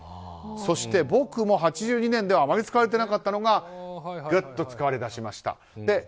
そして僕も８０年代ではあまり使われていなかったのがぐっと使われ出しました。